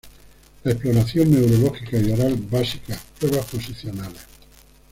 La exploración neurológica y oral básica, pruebas posicionales.